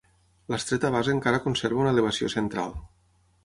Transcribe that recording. L'estreta base encara conserva una elevació central.